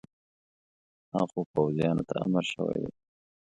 هغو پوځیانو ته امر شوی دی.